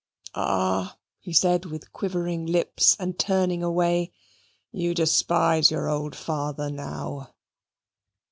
"Ah!" said he with quivering lips and turning away, "you despise your old father now!"